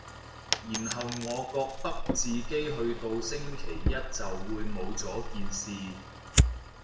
然後我覺得自己去到星期一就會冇咗件事